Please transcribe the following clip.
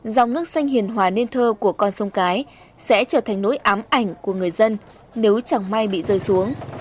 dòng nước xanh hiền hòa nên thơ của con sông cái sẽ trở thành nỗi ám ảnh của người dân nếu chẳng may bị rơi xuống